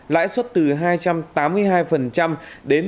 lãi suất từ hai trăm tám mươi hai đến một bảy trăm linh